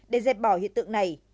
để dẹp bỏ hiện tượng này